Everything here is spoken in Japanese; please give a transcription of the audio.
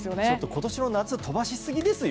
今年の夏飛ばしすぎですよ。